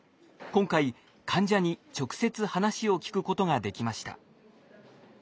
今回患者に直接話を聞くことができました。